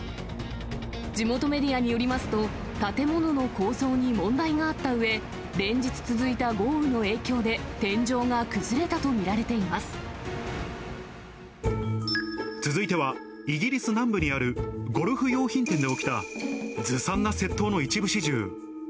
地元メディアによりますと、建物の構造に問題があったうえ、連日続いた豪雨の影響で、続いては、イギリス南部にあるゴルフ用品店で起きたずさんな窃盗の一部始終。